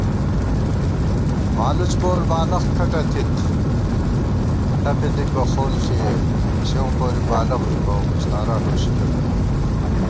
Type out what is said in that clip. مالُوڅ پور بالَخ کھٹہ تھِت ݪَپے دِک بہ خون ݪِیَئی * سېوں پوری بالَخ ݫُپَوُم استارا لوشِکے پت